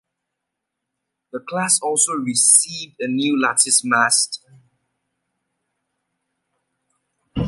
The class also received a new lattice mast.